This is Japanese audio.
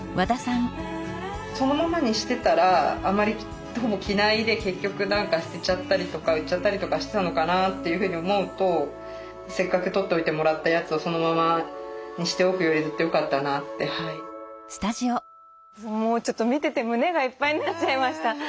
そのままにしてたらあまりほぼ着ないで結局捨てちゃったりとか売っちゃったりとかしてたのかなというふうに思うとせっかく取っといてもらったやつをもうちょっと見てて胸がいっぱいになっちゃいました。